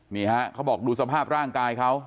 เขาบอกดูสภาพร่างกายเขา